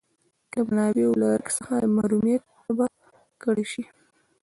که د منافعو له رګ څخه د محرومیت تبه کډه شي.